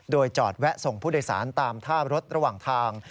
โดยจอดแวะส่งผู้โดยสารตามท่ารถระหว่างทาง